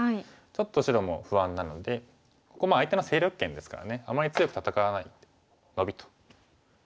ちょっと白も不安なのでここ相手の勢力圏ですからねあまり強く戦わないでノビと。